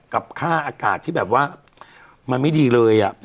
กับค่าอากาศที่แบบว่ามันไม่ดีเลย